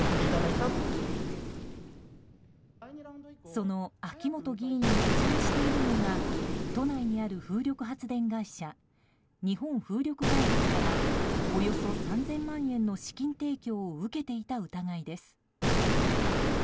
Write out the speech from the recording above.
その秋本議員に浮上しているのが都内にある風力発電会社日本風力開発からおよそ３０００万円の資金提供を受けていた疑いです。